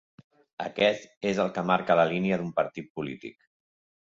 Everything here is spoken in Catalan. Aquest és el que marca la línia d'un partit polític.